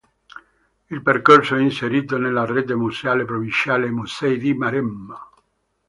Il percorso è inserito nella rete museale provinciale "Musei di Maremma".